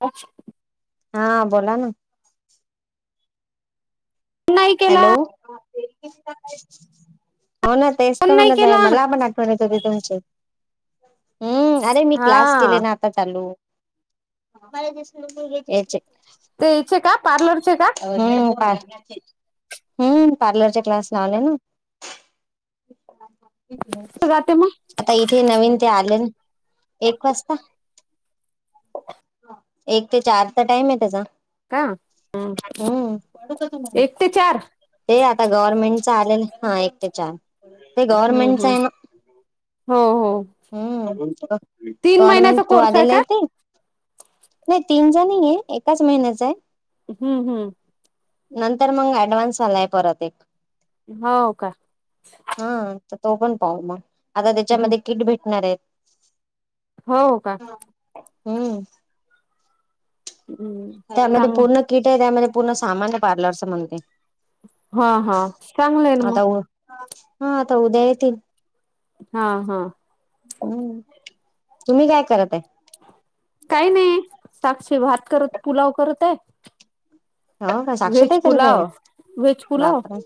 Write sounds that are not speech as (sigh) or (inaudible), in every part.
अच्छा. हा, बोला ना. नाही केला हॅलो. हो, ना तेच तर फोन नाही म्हणत आहे केला मला पण (unintelligible) आधी तुमचे आहेत हम्म आणि मी हा क्लास केले ना आ आता चालू याचे ते इचे का? पार्लरचे का? हम्म. पार्लरचे, हम्म. पार्लरचे क्लास लावले ना (inaudible) जाते मग आता, इथे नवीन ते आले एक वाजता एक ते चार चा टाइम आहे त्याचा. का हम्म. हंम्म. एक ते चार ते आता गव्हर्नमेंटच आलेलं हा. एक ते चार ते हम्म गव्हर्मेंटच हम्म. आहे ना, हो हो हंम्म. तीन महिन्याचा गव्हर्मेंट ट्रू कोर्स आलेलं का आहे ते. नाही तीनं चा नाही एकाच महिन्याचा आहे. हम्म. हम्म. नंतर मग, ऍडव्हान्स आलाय परत एक. हो का? हा तो पण पाहू मग, आता त्याच्यामध्ये किट भेटणार आहेत. हो का. हम्म. हम्म. त्यामध्ये चांग पूर्ण किट आहे त्यामध्ये पूर्ण सामान आहे पार्लरच म्हणते. हा. हा. चांगलं आहे ना मग आता हा. आता उद्या येतील. हा. हा. हम्म तुम्ही काय करत आहे? काही नाही, साक्षी भात करत पुलाव करत आहे. हो का? साक्षी व्हेज ताई करत आहे पुलाव काय? व्हेज पुलाव बापरे.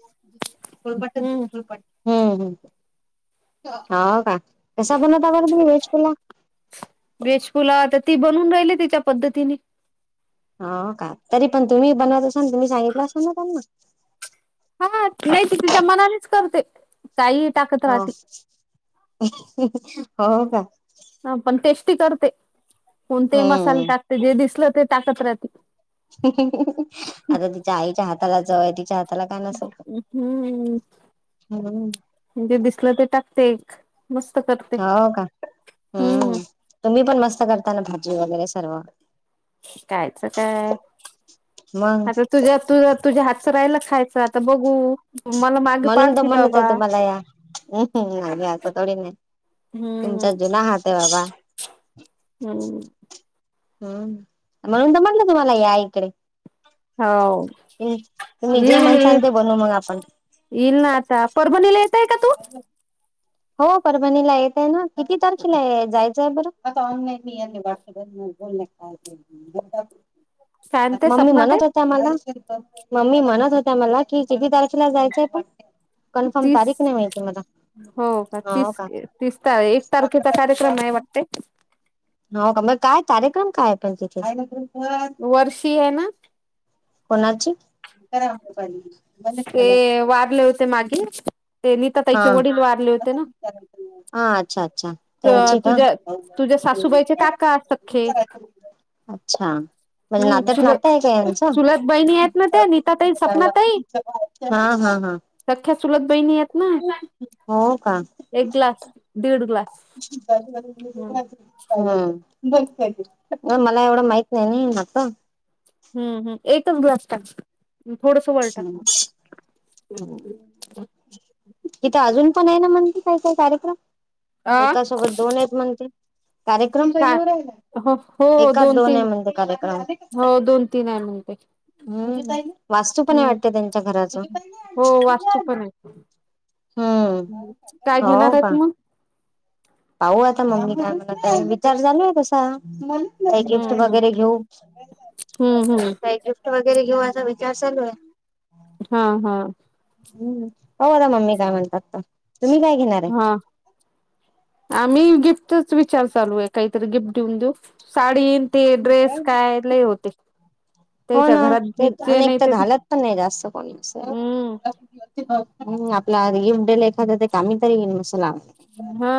पोळपाट दे हम्म पोळपाट. हम्म, हो का? कसा बनवतात बरं तुम्ही व्हेज पुलाव? व्हेज पुलाव तर ती बनवून राहिली, तिच्या पद्धतीनी. हा का? तरी पण तुम्ही बनवत असा ना तुम्ही सांगितलं असा ना त्यांना. हा हा, नाही ती तिच्या मनानेच करते. काही टाक हां हो कां. ह पण टेस्टी करते, कोणतेही मसाले हम्म टाकते जे दिसल ते टाकत राहते. आता तिच्या आईच्या हाताला चव आहे. तिच्या हात हम्म. हम्म जे दिसलं तर टाकते एक. मस्त कर. हो का? हम्म तुम्ही पण मस्त करता ना भाजी वगैरे सर्व. कायच काय, मग आता तुझ्या तुझ्या तुझ्या हातचं राहिलं खायचं आता बघू. मला मागे म्हणून तर पाडती म्हणत बाबा आहे तुम्हाला या. आम्ही असं थोडी ना आहे. हम्म तुमचा जुना हात आहे बाबा. हम्म. हम्म. म्हणून तर म्हटलं, तुम्हाला या इकडे. हो तुम्ही जे येईल येईल म्हणसाल ते, बनवू मग आपण. येईल ना आता, परभणीला येतंय का तू. हो परभणीला येते ना, किती तारखेला जायचं. का बर? आता ऑनलाइन (unintelligible) काय म्हणते मम्मी सपना ताई म्हणत होत्या मला मम्मी म्हणत होत्या मला, की किती तारखेला जायचंय आपण? कन्फर्म तीस तारीख नाही माहिती मला. हो का तीस तीस, त एक तारखेचा कार्यक्रम आहे वाटते. हो का मग काय, कार्यक्रम काय पण तिथे. वर्षी आहे ना कोणाची! (unintelligible) ते वारले होते मागे ते, नीतााताईचे हा वडील वारले होते ना. हा अच्छा अच्छा ते त्यांची का तुझ्या, तुझ्या सासूबाईचे काका सख्खे. अच्छा. म्हणजे हम्म नात्यात नात चुलत हाय काय यांचं? चुलत बहिणी आहेत ना त्या नीता ताई सपना ताई हा हा हा. सख्या चूलत बहिणी हेतना. हो का? एक ग्लास दीड ग्लास. (unintelligible) हम्म हम्म मला एवढं माहित नाही असं. हम्म हम्म. एकच ग्लास टाक, थोडंसं वर टाक. तिथं अजून पण आहे ना, म्हणते काही काय काय कार्यक्रम. अ एका सोबत दोन आहेत म्हण ते. कार्य का हो हो एकाच दोन आहे तीन म्हणते कार्यक्रम. हो दोन तीन आहे म्हणते हम्म वास्तू पण आहे हम्म वाटत त्यांच्या घराचं. हो वास्तू पण आहे. काय हम्म हो घेणार का आहेत मग? पाहू आता मम्मी काय म्हणतं आहे, विचार चालू आहे तसा. काही हम्म गिफ्ट हम्म वगैरे घेऊ, हम्म हम्म काही गिफ्ट वगैरे घेऊ असा विचार चालू आहे. हां हां. हम्म बघु आता मम्मी काय म्हणतात ते. तुम्ही काय घेणार? आहे हां. आम्ही गिफ्टच विचार चालू आहे, काहीतरी गिफ्ट घेऊन देऊ साडीन‌. ते ड्रेस काय लय होते. हो त्याच्या ना घरात ते जे अनेक नाही तर ते घालत पण नाही जास्त कोणी असं. हम्म हं आपला गिफ्ट (unintelligible) ते कामी तरी येईन मस्त. चला. हा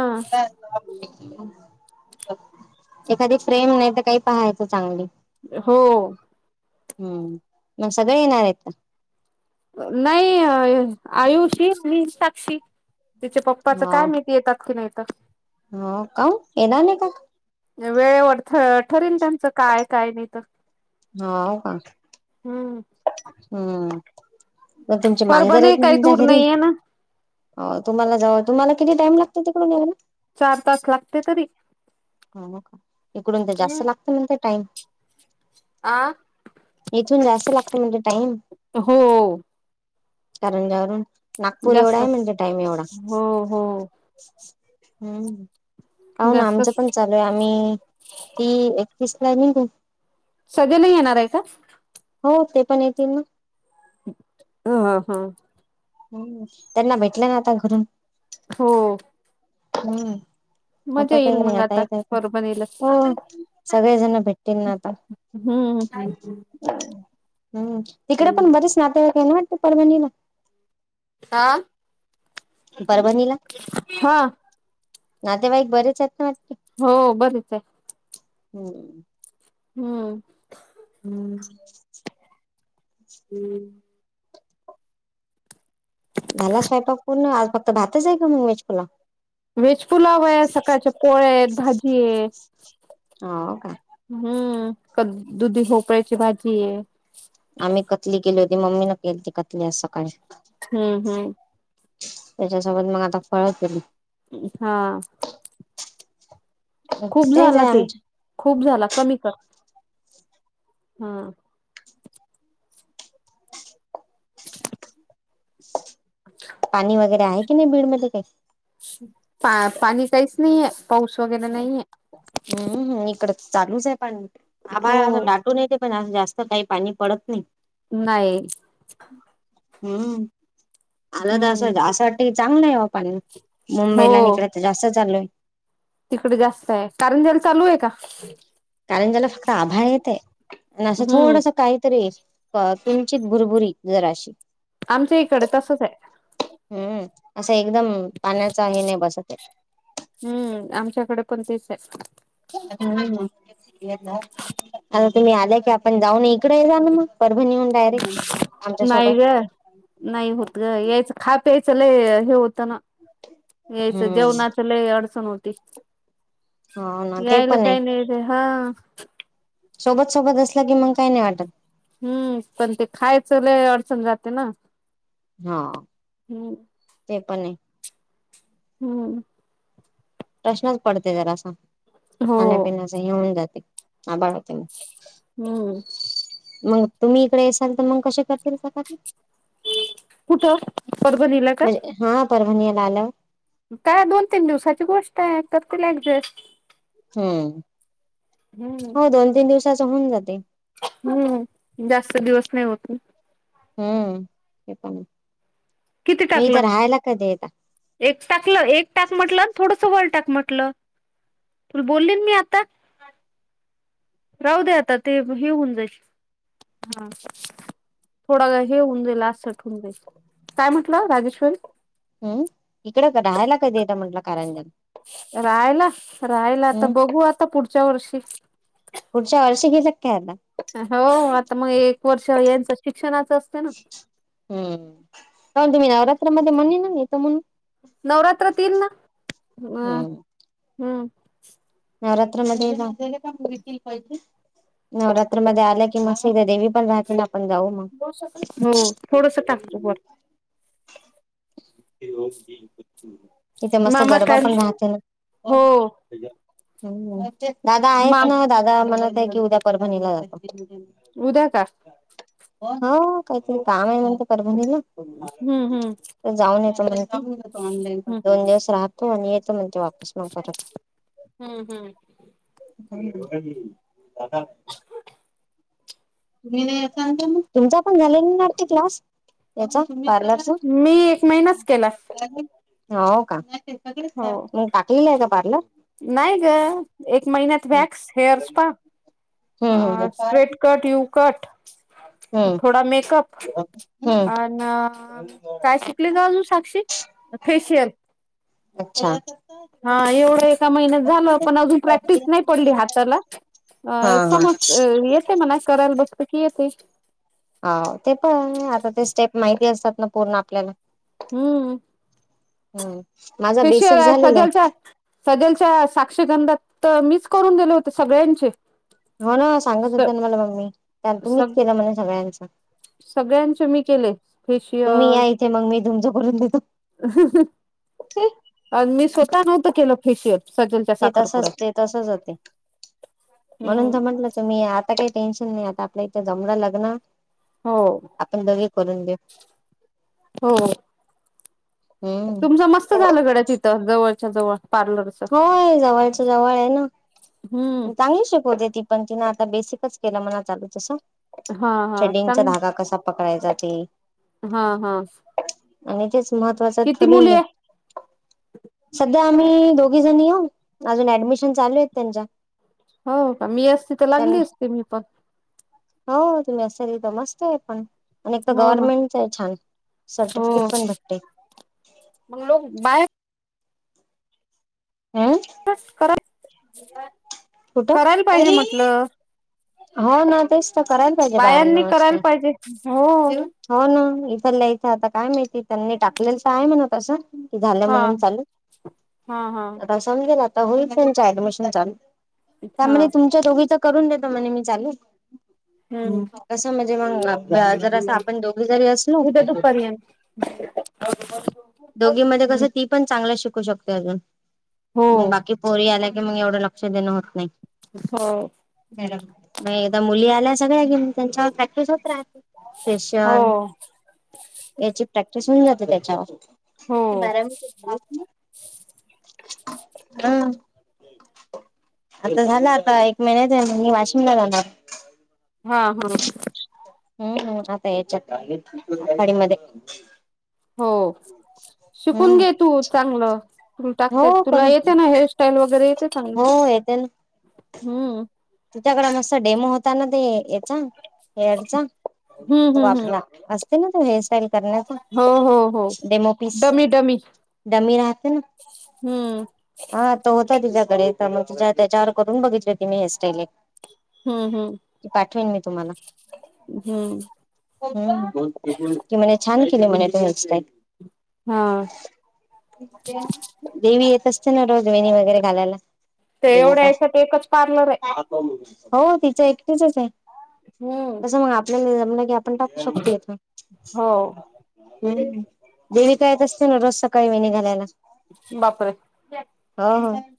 एखादी फ्रेम नाही तर काही पाहायचं चांगली. हो हम्म. मग सगळे येणार आहेत का? नाही आयुशी, मी, साक्षी. तिच्या पप्पाचं काय माहिती येतात की नाही आता. हा. काऊ येणार नाही का? वेळेवर ठरेल त्यांचं काय काय नाही तर. होव का? हम्म. हम्म. मग तुमचे मांजर परभणी आहेत ना काही तुमच्या दूर घरी. नाही आहे ना हो, तुम्हाला जाऊ तुम्हाला किती टाइम लागतो तिकडून यायला? चार तास लागते तरी. ह का, इकडून तर जास्त लागत म्हणते टाइम. आ इथून जास्त लागत म्हटले टाइम हो करंजावरून नागपूर एवढा जास्त आहे म्हणजे टाईम एवढा. हो हो हम्म पाह ना जास्त आमचं चालोय आम्ही तीस, एकतीस ला निघू. सगळे नाही येणार आहे का हो, ते पण येतील ना ह ह ह. हम्. त्यांना भेटलं ना आता घरून हो. हम्म. मजा आता येईल काही नाही मग आता एका एक काय परभणीला का हो सगळे जण भेटतील ना आता. हम्म. हम्म. हम्म. तिकडे पण बरेच नातेवाईक आहे ना आपले परभणीला. हा परभणीला नातेवाईक बरेच आहेत ना आप हो बरेच आहे. हम्म हम्म. हम्म. (inaudible) हम्म. झाला स्वयंपाक पूर्ण आज फक्त भातच आहे का मग व्हेजपुलाव? वेज पुलाव आहे सकाळच्या पोळ्या आहेत भाजी आहे हो का हम्म. क दुधी भोपळ्याची भाजी आहे. आम्ही कतली केली होती मम्मी न केल्ती कतली आज सकाळी हम्म. हम्म. त्याच्यासोबत मग आता फराळ केली. हा. खूप तेच झाला आहे की आमच खूप झाला कमी कर. हा. अच्छा. पाणी वगैरे आहे की नाही बीड मध्ये काही. पा पाणी काहीच नाहीये पाऊस वगैरे नाहीये. हम्म हम् इकड चालूच आहे पाणी आभळ हो असं दाटून ते पण, आज जास्त काही पाणी पडत नाही. नाही. हम्म आला तर हम्म असं असं वाटतं की चांगलं आहे वा पाणी हो मुंबईला आणि इकड तर जास्त चाललंय. तिकडे जास्त आहे, कारणजल चालू आहे का? कारण ज्याला फक्त आभाळ येतंय आणि असं हम्म थोडस काही तरी. अ किंचित भुरभुरी जराशी. आमच्या इकडे तसच आहे. हम्म असं एकदम पाण्याचा हे नाही बसतये. हम्म आमच्याकडे पण तेच आहे. (unintelligible) आता तुम्ही आले की आपण जाऊन इकडे जाल मग परभणी वरून डायरेक्ट. आमच्या नाही ग सोबत नाही होत ग, यायचं खा प्यायचं लय हे होतं ना. यायच हम्म जेवणाच लय अडचण होती. हो ना ते यायला पण आहे काही नाही रे हा. सोबत, सोबत असलं की मग काय नाही वाटत. हम्म पण ते खायच लय अडचण जाते ना. हा. हम्म. ते पण आहे. हम्म. प्रश्नच पडते जरासा, हो खाण्यापिण्याचं हे होऊन जाते आबाळ. ते, हम्म मग तुम्ही इकडे असाल तर मग कसे करतील चपाती? कुठं परभणीला का? म्हणजे हा परभणीला आलव काय दोन तीन दिवसाची गोष्ट आहे करतील ॲडजस्ट. हो, हम्म हो दोन, तीन दिवसाच होऊन जाते. हम्म जास्त दिवस नाही होत ना. हम्म हे पण किती मी टाकलं इथं राहायला कधी येता एक टाकलं, एक टाक म्हटलं आणि थोडस वर टाक म्हटलं. तुला बोलली मी आता राहूदे आता ते हे होऊन जाईल. हा, थोडा वेळ हे होऊन गेलं अस ठेवू नकोस. काय म्हटलं राजेश्वर हम्म इकडे राहायला कधी येत म्हटलं कारंजन. रायला रायला आता बघू आता पुढच्या वर्षी. पुढच्या आयुष्यात घेला काय आता? हो आता मग एक वर्ष यांचं शिक्षणाच असते ना. हम्म पण तुम्ही नवरात्रामध्ये म्हणले ना येतो म्हणून. नवरात्र तीन ना, हा हम्म. हम्म. नवरात्रामध्ये एकदा. नवरात्रमध्ये आल्या की मस्त एकदा देवी पण राहते ना आपण जाऊ मग. हो थोडस टाक तू वर. (inaudible) तिथे मस्त मामा गरबा काय पण राहते ना. हो हम्म, दादा आहेत मा ना. दादा म्हणत आहे की उद्या परभणीला जातो. उद्या का? हो काय तरी काम आहे म्हणे ते परभणीला. हम्म हम्म जाऊन यायचं म्हणते, हम्म दोन दिवस राह हो, मी येतो म्हणते वापस मग परत. हम्म हम्म. (inaudible) (unintelligible) तुमचा पण झालेनी वाटती क्लास याचा पार्लर चा? मी एक महिनाच केला. हो का मग हो टाकलेलं आहे का पार्लर? नाही ग एक महिन्यात हम्म वॅक्स हेअर्स स्पा हम्म अ हम्म स्ट्रेट कट यू कट हम्म थोडा मेकअप. हम्म. अन् काय शिकली ग अजून साक्षी? फेशियल अच्छा हा एवढं एका महिन्यात झालं पण अजून प्रॅक्टिस नाही पडली हाताला. हा अ समज येते म्हणा करायला बसला की येते. हा ते पण आता ते स्टेप माहिती असतात ना पूर्ण आपल्याला. हम्म. हम् (unintelligible) फेशियल हाय सजेलचा. सदलच्या साक्षीगंधात तर मीच करून दिले होते सगळ्यांचे. हो ना सांगत होत मला मम्मी त्या तुम्हीच सग केलं म्हणे सगळ्यांचं. सगळ्यांचे मी केले फेशिय तुम्ही, या इथे मग मी तुमच्या करून देतो. हम्म्म अन मी स्वतः नव्हतं केलं फेशियल. सजलच्या ते तसच साखरपुड्यात ते तसच होते म्हणून हम्म तर म्हंटलं त मी आ आता काही टेन्शन नाही आता आपल्या इथं जमलं लग्न. हो आपण दोघे करून देऊ हो तुमचं मस्त हम्म झालं गड्या तिथं जवळच्या जवळ पार्लरच होय जवळच जवळ आहे ना. हम्म. चांगली शिकवते ती पण तिन आता बेसिकच केलं मना चालू तसं. हा हा चडिंगचा चांगल धागा कसा पकडायचा ते हा हा. आणि तेच महत्त्वाचं किती थोड मुली नाही. आहे सध्या आम्ही दोघी जण येऊ अजून ऍडमिशन चालू आहेत त्यांच्या. हो का. मी असती तर त्यां लागली असती मी पण हो तुम्ही असालथ मस्त आहे पण. आणि एक तर हो ना गव्हर्नमेंटच आहे छान हो सर्टिफिकेट पण भेटते. मग लोक बाहेर हं तच करा (unintelligible) कुठं करायला पाहिजे म्हटलं. हो ना तेच तर करायला पाहिजे बायांनी बायाना करायला पाहिजे हो (unintelligible) हो ना इथल्या इथं आता काय माहिती त्यांनी टाकलेलं तर आहे मन तसं. ती झालं हा म्हणून चालू हा हा आता समजल आता होईल तुमच ऍडमिशन चालू हा त्यामधे तुमच्या दोघीच करून देत त म्हणे मी चालू हम्म कसं म्हणजे, मंग जर आपण दोघे जरी असलो उद्या दुपारी या (unintelligible) दोघी मध्ये कसं टि पण चांगलं शिकू शकतोय अजून मंग हो बाकी पोरी आल्या की अजून एवढं लक्ष देणं होत नाही. हो. ब मग एकदा मुली आल्या सगळ्या की त्यांच्यावर प्रॅक्टिस होत राहते (unintelligible) हो फेशल याची प्रॅक्टिस होऊन जाते हो त्याच्यावर बारा अ (unintelligible) आता झालं आता एक महिन्याच मी वाशिमला जाणार. हा हा. हम्म हम् आता याच्यात खडी मध्ये हो शिकून हम्म घे तू चांगलं तूल टाकता हो तुला करू येते ना हेअर टन वगैरे येते चांगली हम्म. तुच्याकडे मस्त डेमो होता ना ते याचा हेअरचा हम्म तो हम्म हम्म वापरा असते ना ते हेअर स्टाइल करूया का हो हो हो demo piece dummy dummy dummy राहते ना (unintelligible) हम्म. हा तो होता तिच्याकडे तर मग तिच्या त्याच्यावर करून बघितली तिने हेअरस्टाईली. हम्म हम्. ती पाठवेन मी तुम्हाला. हम्म हम्म ती म्हणे छान केल्या म्हणे तुम्ही हेअरस्टाईल. हा देवी येत असते ना रोज वेणी वगैरे घालायला. ते एवढ्या देविका हेच्यात एकच पार्लर ये. हो तिच एकटीचच ये. हम्म. मग आपल्याला जमलं की आपण टाकू शकतो इथ. हो हम देवीका येत असते ना रोज सकाळी वेणी घालायला. बापरे! हो हो.